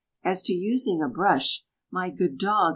As to using a brush My good dog!